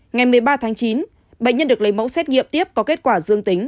ngày một mươi ba tháng chín bệnh nhân được lấy mẫu xét nghiệm tiếp có kết quả dương tính